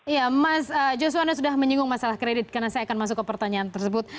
ya mas joshua anda sudah menyinggung masalah kredit karena saya akan masuk ke pertanyaan tersebut